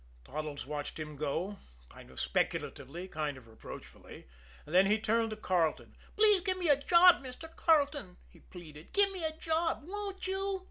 Toddles watched him go kind of speculatively, kind of reproachfully. Then he turned to Carleton. "Please give me a job, Mr. Carleton," he pleaded. "Give me a job, won't you?"